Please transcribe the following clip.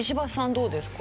どうですか？